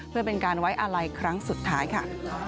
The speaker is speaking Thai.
เพื่อเป็นการไว้อาลัยครั้งสุดท้ายค่ะ